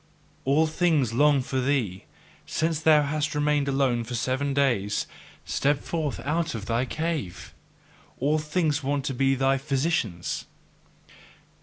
All things long for thee, since thou hast remained alone for seven days step forth out of thy cave! All things want to be thy physicians!